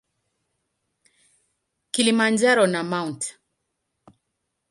Kilimanjaro na Mt.